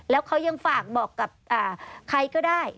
แล้วเขายังฝากบอกกับใครก็ได้